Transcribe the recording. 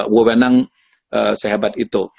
wawenang sehebat itu